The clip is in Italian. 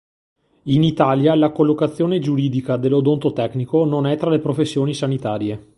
In Italia, la collocazione giuridica dell'odontotecnico non è tra le professioni sanitarie.